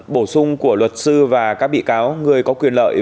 bổ sung của luật sư và các bị cáo người có quyền lợi